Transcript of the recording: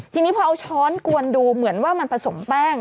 ทีนี้พอเอาช้อนกวนดูเหมือนว่ามันผสมแป้ง